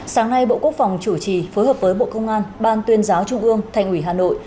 sáng nay bộ quốc phòng chủ trì phối hợp với bộ công an ban tuyên giáo trung ương thành ủy hà nội